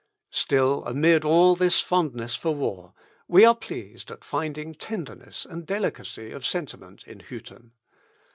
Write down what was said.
Still, amid all this fondness for war, we are pleased at finding tenderness and delicacy of sentiment in Hütten.